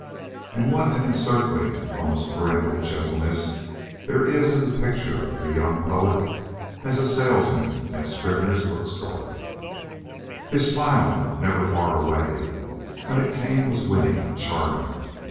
And what an encircling, almost paternal, gentleness there is in the picture of the young poet as a salesman at Scribner's bookstore: His smile, never far away, when it came was winning, charming.